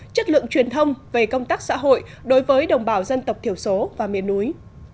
chất lượng truyền thông về công tác xã hội đối với đồng bào dân tộc thiểu số và miền núi